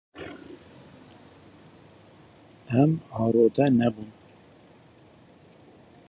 Em arode nebûn.